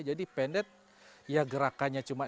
jadi pendek ya gerakannya